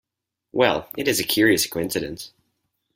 Well, it is a curious coincidence.